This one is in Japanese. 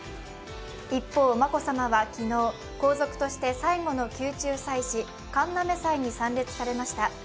一方、眞子さまは昨日、皇族として最後の宮中祭祀、神嘗祭に参列されました。